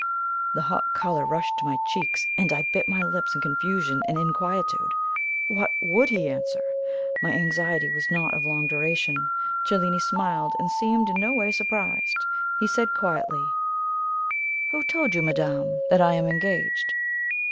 The hot colour rushed to my cheeks, and I bit my lips in confusion and inquietude. What WOULD he answer? My anxiety was not of long duration. Cellini smiled, and seemed in no way surprised. He said quietly: "Who told you, madame, that I am engaged?"